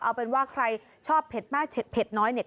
เอาเป็นว่าใครชอบเผ็ดมากเผ็ดน้อยเนี่ย